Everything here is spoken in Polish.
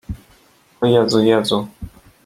"O Jezu, Jezu!"